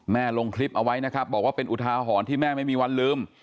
ลงคลิปเอาไว้นะครับบอกว่าเป็นอุทาหรณ์ที่แม่ไม่มีวันลืม